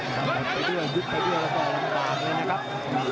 ยุบไปเดียวยุบไปเดียวแล้วก็ลำบากเลยนะครับ